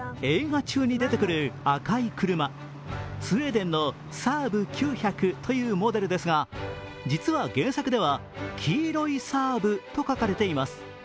スウェーデンのサーブ９００というモデルですが、実は原作では「黄色いサーブ」と書かれています。